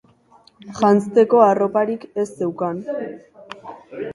Janzteko arroparik ez zeukan